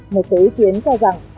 một số ý kiến cho rằng